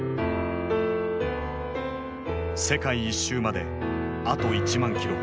世界一周まであと１万キロ。